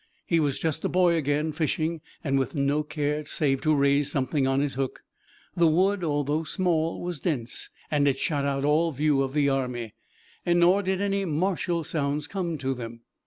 He was just a boy again, fishing and with no care save to raise something on his hook. The wood, although small, was dense, and it shut out all view of the army. Nor did any martial sounds come to them.